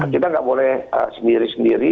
kita nggak boleh sendiri sendiri